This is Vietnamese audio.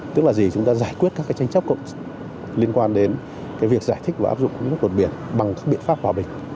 tức là chúng ta giải quyết các tranh chấp liên quan đến việc giải thích và áp dụng công ước luật biển bằng các biện pháp hòa bình